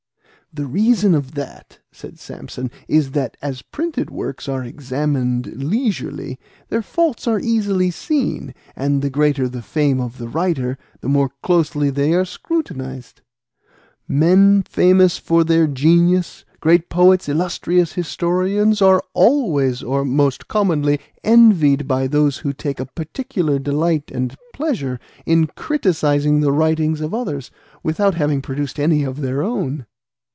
"The reason of that," said Samson, "is, that as printed works are examined leisurely, their faults are easily seen; and the greater the fame of the writer, the more closely are they scrutinised. Men famous for their genius, great poets, illustrious historians, are always, or most commonly, envied by those who take a particular delight and pleasure in criticising the writings of others, without having produced any of their own."